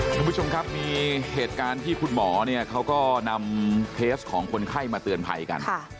ท่านผู้ชมครับมีเหตุการณ์ที่คุณหมอเนี่ยเขาก็นำเคสของคนไข้มาเตือนภัยกัน